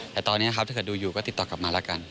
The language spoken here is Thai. แต่ตอนนี้ครับถ้าเกิดดูอยู่ก็ติดต่อกลับมาแล้วกัน